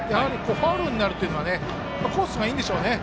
ファウルになるというのはコースがいいんでしょうね。